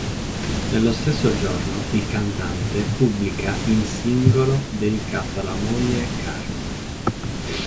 Nello stesso giorno il cantante pubblica in singolo dedicato alla moglie "Carme'".